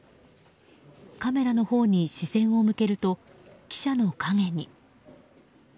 カメラのほうに視線を向けると記者の陰に。